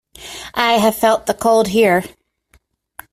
I have felt the cold here.